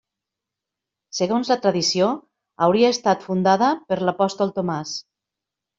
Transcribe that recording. Segons la tradició, hauria estat fundada per l'apòstol Tomàs.